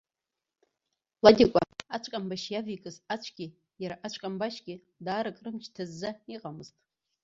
Ладикәа ацәкамбашь иавеикыз ацәгьы иара ацәкамбашьгьы даарак рымч ҭазза иҟамызт.